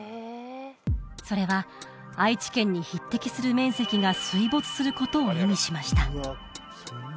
それは愛知県に匹敵する面積が水没することを意味しました